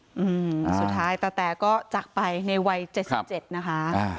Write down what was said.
สุดท้ายตะแตก็จักรไปในไว้๗๗นะคะ